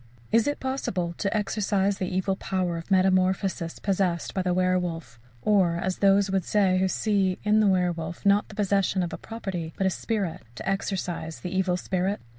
Is it possible to exorcize the evil power of metamorphosis possessed by the werwolf, or, as those would say who see in the werwolf, not the possession of a property, but a spirit, "to exorcize the evil spirit"?